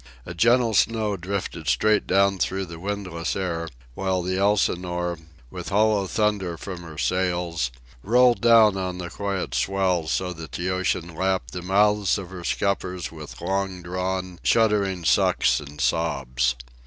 A gentle snow drifted straight down through the windless air, while the Elsinore, with hollow thunder from her sails, rolled down on the quiet swells so that the ocean lapped the mouths of her scuppers with long drawn, shuddering sucks and sobs.